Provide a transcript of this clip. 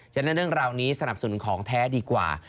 ฉะนั้นเรื่องราวนี้สนับสนุนของแท้ดีกว่า